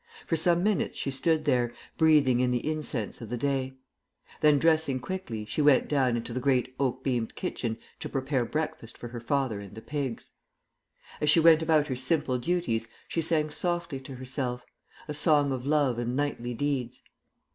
For some minutes she stood there, breathing in the incense of the day; then dressing quickly she went down into the great oak beamed kitchen to prepare breakfast for her father and the pigs. As she went about her simple duties she sang softly to herself, a song of love and knightly deeds.